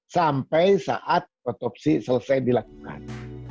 sampai saat otopsi selesai dilakukan